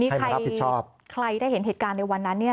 ให้มารับผิดชอบทีนี้ใครได้เห็นเหตุการณ์ในวันนั้น